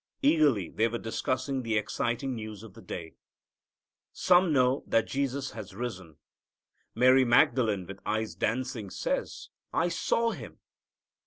Eagerly they were discussing the exciting news of the day. Some know that Jesus has risen. Mary Magdalene, with eyes dancing, says, "I saw Him."